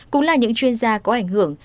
cũng là những chuyên gia có ảnh hưởng